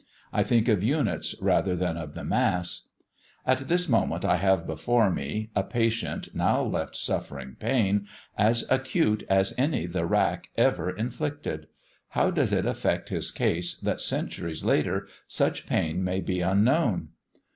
I think of units rather than of the mass. At this moment I have before me a patient now left suffering pain as acute as any the rack ever inflicted. How does it affect his case that centuries later such pain may be unknown?"